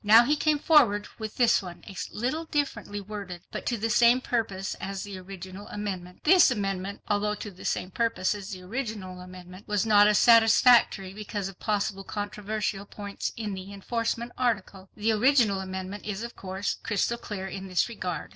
Now he came forward with this one, a little differently worded, but to the same purpose as the original amendment. This amendment, although to the same purpose as the original amendment, was not as satisfactory because of possible controversial points in the enforcement article. The original amendment is of course crystal clear in this regard.